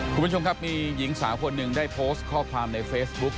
คุณผู้ชมครับมีหญิงสาวคนหนึ่งได้โพสต์ข้อความในเฟซบุ๊ค